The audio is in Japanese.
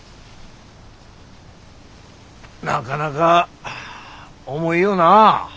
なかなか重いよな。